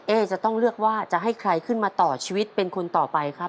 จะต้องเลือกว่าจะให้ใครขึ้นมาต่อชีวิตเป็นคนต่อไปครับ